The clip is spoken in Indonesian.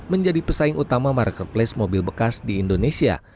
menjadi pesaing utama marketplace mobil bekas di indonesia